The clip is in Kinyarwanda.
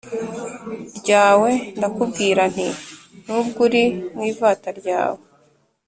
ryawe ndakubwira nti Nubwo uri mu ivata ryawe